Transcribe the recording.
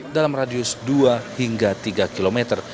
dalam radius dua hingga tiga kilometer